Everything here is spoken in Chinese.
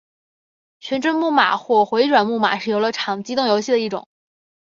旋转木马或回转木马是游乐场机动游戏的一种。